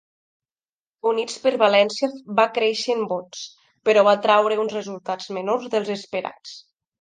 Units per València va créixer en vots, però va traure uns resultats menors dels esperats.